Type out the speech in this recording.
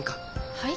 はい？